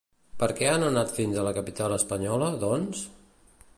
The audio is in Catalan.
Per què han anat fins a la capital espanyola, doncs?